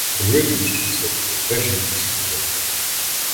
Видно, що це були теж якісь козаки.